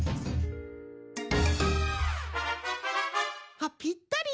あっぴったり！